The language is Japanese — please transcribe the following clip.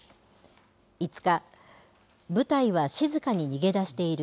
５日、部隊は静かに逃げ出している。